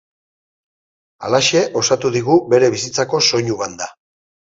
Halaxe osatu digu bere bizitzako soinu banda.